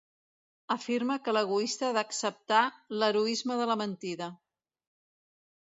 Afirma que l'egoista ha d'acceptar "l"heroisme de la mentida".